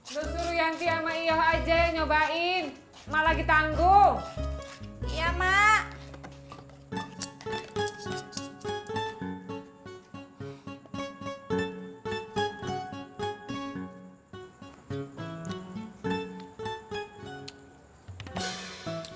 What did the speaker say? suruh yang sama iyo aja nyobain malah ditangguh iya mak